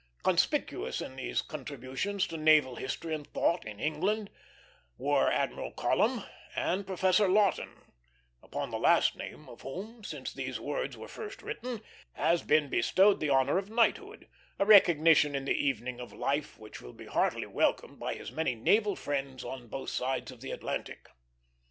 Conspicuous in these contributions to naval history and thought, in England, were Admiral Colomb and Professor Laughton; upon the last named of whom, since these words were first written, has been bestowed the honor of knighthood, a recognition in the evening of life which will be heartily welcomed by his many naval friends on both sides of the Atlantic.